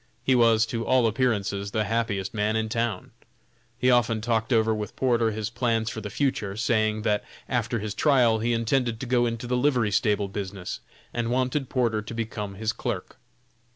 He was, to all appearances, the happiest man in town. He often talked over with Porter, his plans for the future, saying that, after his trial, he intended to go into the livery stable business, and wanted Porter to become his clerk.